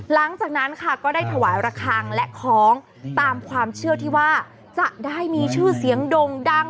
หลังจากนั้นค่ะก็ได้ถวายระคังและของตามความเชื่อที่ว่าจะได้มีชื่อเสียงด่งดัง